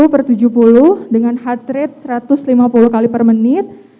satu per tujuh puluh dengan heart rate satu ratus lima puluh kali per menit